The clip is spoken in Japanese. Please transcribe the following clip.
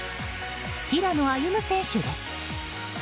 平野歩夢選手です。